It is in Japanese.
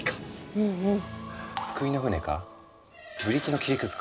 うんうん。